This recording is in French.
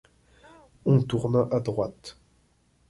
On tourna à droite.